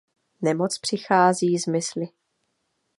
Nemoc přichází z mysli.